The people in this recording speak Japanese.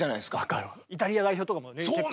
イタリア代表とかもね結構。